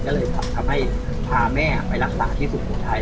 ก็เลยทำให้พาแม่ไปรักษาที่สุโขทัย